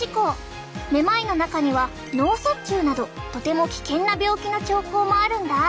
めまいの中には脳卒中などとても危険な病気の兆候もあるんだ。